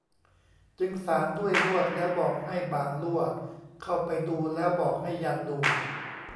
จึงสานด้วยลวด แล้วบอกให้บ่างลั่วเข้าไปดูแล้วบอกให้ยันดู